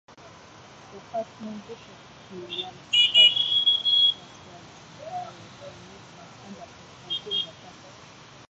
The first known bishop in Lampsacus was Parthenius, under Constantine the First.